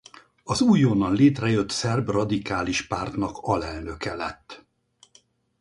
Az újonnan létrejött Szerb Radikális Pártnak alelnöke lett.